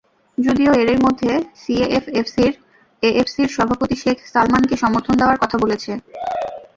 যদিও এরই মধ্যে সিএএফ এএফসির সভাপতি শেখ সালমানকে সমর্থন দেওয়ার কথা বলেছে।